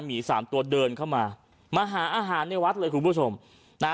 หมีสามตัวเดินเข้ามามาหาอาหารในวัดเลยคุณผู้ชมนะฮะ